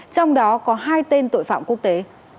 trong đó có hai tên tội phạm quốc tế